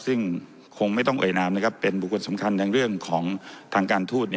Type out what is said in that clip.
ซึ่งคงไม่ต้องเอ่ยนามนะครับเป็นบุคคลสำคัญในเรื่องของทางการทูต